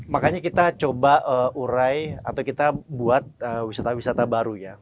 makanya kita coba urai atau kita buat wisata wisata baru ya